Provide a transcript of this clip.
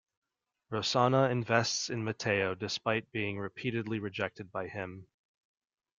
Rosana invests in Matteo despite being repeatedly rejected by him.